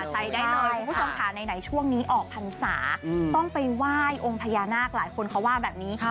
ใช้ได้เลยคุณผู้ชมค่ะไหนช่วงนี้ออกพรรษาต้องไปไหว้องค์พญานาคหลายคนเขาว่าแบบนี้